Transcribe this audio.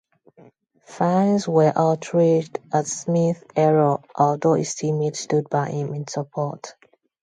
Fans were outraged at Smith's error although his teammates stood by him in support.